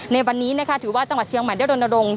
ในวันนี้นะคะถือว่าจังหวัดเชียงใหม่ได้รณรงค์